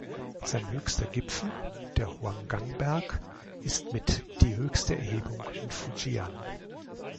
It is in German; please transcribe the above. Sein höchster Gipfel, der Huanggang-Berg, ist mit die höchste Erhebung in Fujian.